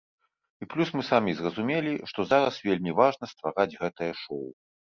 І плюс мы самі зразумелі, што зараз вельмі важна ствараць гэтае шоў.